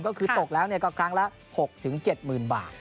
ก็คือตกแล้วก็ครั้งละ๖๗๐๐๐บาท